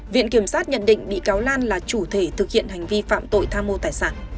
viện kiểm sát nhận định bị cáo lan là chủ thể thực hiện hành vi phạm tội tham mô tài sản